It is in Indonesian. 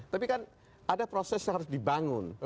tapi kan ada proses yang harus dibangun